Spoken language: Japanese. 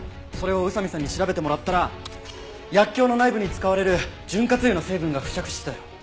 それを宇佐見さんに調べてもらったら薬莢の内部に使われる潤滑油の成分が付着してたよ。